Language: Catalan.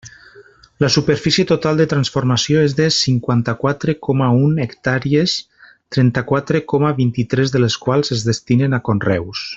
La superfície total de transformació és de cinquanta-quatre coma un hectàrees trenta-quatre coma vint-i-tres de les quals es destinen a conreus.